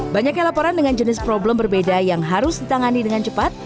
banyaknya laporan dengan jenis problem berbeda yang harus ditangani dengan cepat